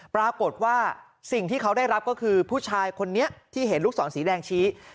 ปรากฏว่าสิ่งที่เขาได้รับก็คือผู้ชายคนนี้ที่เห็นลูกศรสีแดงชี้